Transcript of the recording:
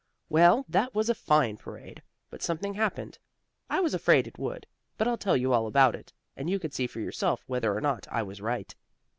Well, that was a fine parade. But something happened. I was afraid it would, but I'll tell you all about it, and you can see for yourself whether or not I was right.